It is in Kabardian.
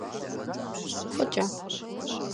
ФӀыкӀэ…